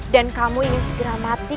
dan kamu ingin segera mati